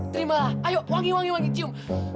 terimalah ayo wangi wangi wangi cium